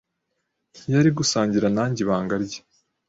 ntiyari gusangira nanjye ibanga rye.